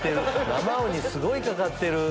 生ウニすごいかかってる。